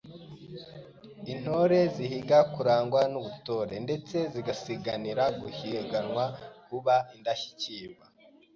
Intore zihiga kurangwa n’Ubutore ndetse zigasizanira guhiganwa kuba Indashyikirwa.